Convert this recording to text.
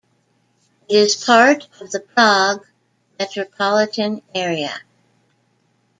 It is part of the Prague metropolitan area.